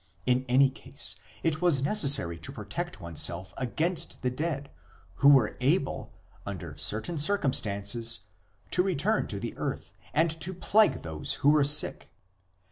In any case it was necessary to protect oneself against the dead, who were able, under certain circumstances, to return to the earth and to plague those who were sick.